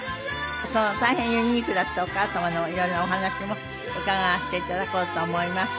その大変ユニークだったお母様の色々なお話も伺わせて頂こうと思います。